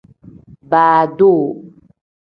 Baa doo.